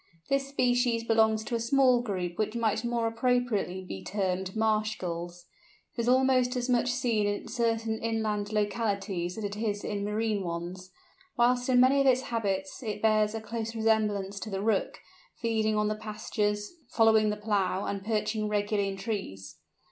This species belongs to a small group which might more appropriately be termed "marsh" Gulls. It is almost as much seen in certain inland localities as it is in marine ones; whilst in many of its habits it bears a close resemblance to the Rook—feeding on the pastures, following the plough, and perching regularly in trees.